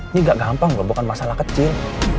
ini gak gampang loh bukan masalah kecil